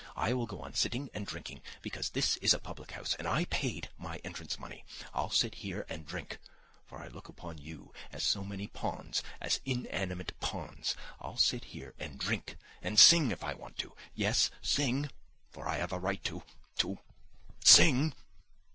I will go on sitting and drinking, because this is a public house and I paid my entrance money. I'll sit here and drink, for I look upon you as so many pawns, as inanimate pawns. I'll sit here and drink ... and sing if I want to, yes, sing, for I have the right to ... to sing